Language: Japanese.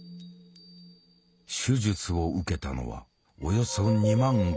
手術を受けたのはおよそ２万５，０００人。